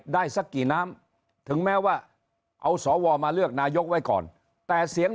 ได้สักกี่น้ำถึงแม้ว่าเอาสวมาเลือกนายกไว้ก่อนแต่เสียง